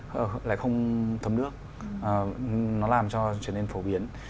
họ lại không thấm nước nó làm cho trở nên phổ biến